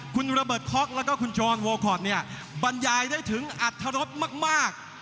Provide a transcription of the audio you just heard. คุณระเบิดค็อกแล้วก็คุณโจรโวคอตเนี่ยบรรยายได้ถึงอัธรสมาก